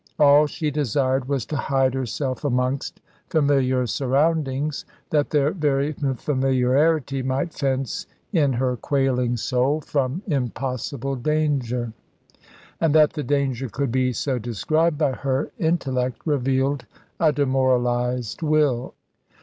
All she desired was to hide herself amongst familiar surroundings, that their very familiarity might fence in her quailing soul from impossible danger. And that the danger could be so described by her intellect revealed a demoralised will.